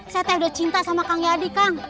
saya teh udah cinta sama kang yadi kang